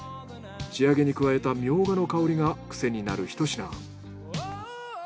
仕上げに加えたミョウガの香りがクセになるひと品。